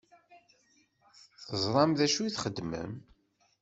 Teẓṛam d acu i txeddmem?